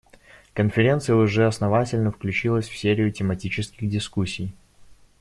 Конференция уже основательно включилась в серию тематических дискуссий.